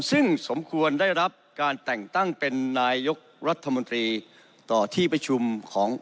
ซึ่งสมควรได้รับการแต่งตั้งเป็นนายกรัฐมนตรีต่อที่ประชุมของ